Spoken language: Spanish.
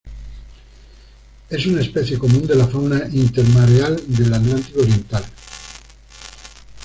Es una especie común de la fauna intermareal del Atlántico Oriental.